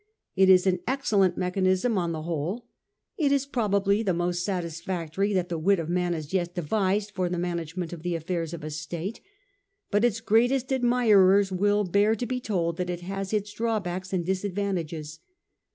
It is an excellent mechanism on the whole ; it is probably the most satisfactory that the wit of man has yet devised for the management of the affairs of a state; but its greatest admirers will bear to be told that it has its drawbacks and disadvantages.